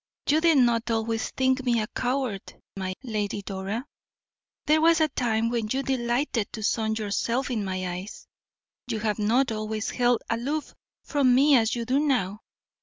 "You did not always think me a coward, my Lady Dora. There was a time when you delighted to sun yourself in my eyes; you have not always held aloof from me as you do now.